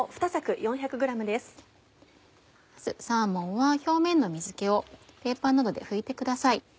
まずサーモンは表面の水気をペーパーなどで拭いてください。